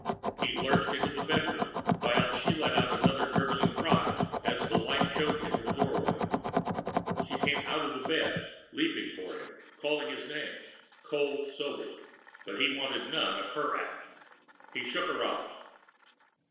He lurched into the bedroom, while she let out another gurgling cry as the light showed him in the doorway. She came out of the bed, leaping for him, crying his name cold sober! But he wanted none of her act. He shook her off.